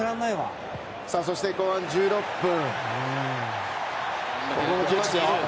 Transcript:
そして後半１６分。